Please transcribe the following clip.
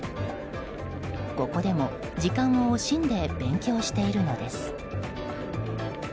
ここでも時間を惜しんで勉強しているのです。